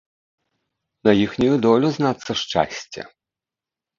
На іхнюю долю, знацца, шчасце.